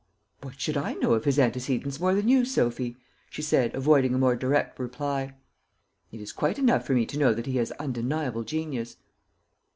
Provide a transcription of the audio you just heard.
"What should I know of his antecedents more than you, Sophy?" she said, avoiding a more direct reply. "It is quite enough for me to know that he has undeniable genius."